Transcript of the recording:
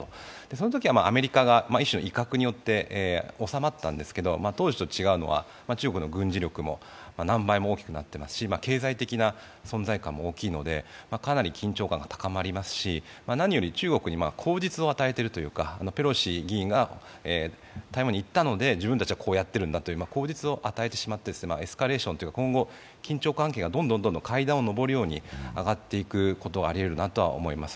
そのときはアメリカが一種の威嚇によって収まったんですけれども、当時と違うのは中国の軍事力も何倍も大きくなってますし経済的な存在感も大きいのでかなり緊張感が高まりますし、何より中国に口実を与えているというか、ペロシ議員が台湾に行ったので自分たちはこうやっているんだという口実を与えてしまって、エスカレーションというか今後、緊張関係がどんどん階段を上るように上がっていくことはありえるなとは思います。